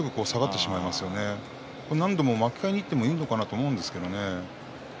何度も巻き替えにいってもいいのかなと思うんですけどね。